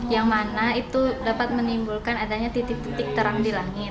yang mana itu dapat menimbulkan adanya titik titik terang di langit